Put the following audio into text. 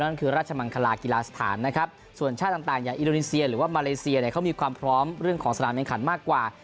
นั่นคือราชมังคลากีฬาสถานนะครับส่วนชาติต่างอย่างอินโดนีเซียหรือว่ามาเลเซียเนี่ยเขามีความพร้อมเรื่องของสนามแข่งขันมากกว่า